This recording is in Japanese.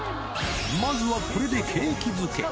まずはこれで景気づけ。